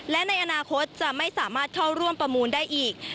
และในอนาคตจะไม่สามารถเข้าร่วมประมูลได้อีก